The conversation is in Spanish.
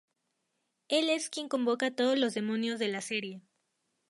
Él es quien convoca a todos los demonios de la serie.